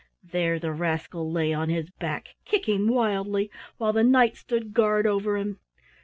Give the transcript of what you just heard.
There the rascal lay on his back, kicking wildly, while the Knight stood guard over him.